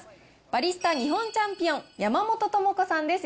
バリスタ日本チャンピオン、山本知子さんです。